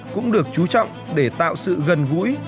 cũng được chú trọng để tạo sự gần gũi